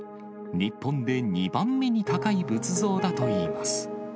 日本で２番目に高い仏像だといいます。